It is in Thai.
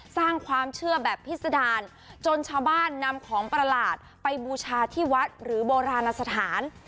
สร้างความเชื่อแบบพิษดารจนชาวบ้านนำของประหลาดไปบูชาที่วัดหรือโบราณสถาน